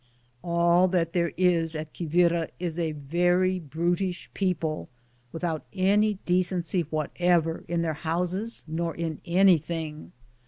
All that there is at Quivira is a very brutish people, without any decency what ever in their houses nor in any thing.